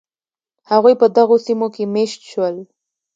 هغوی په دغو سیمو کې مېشت شول.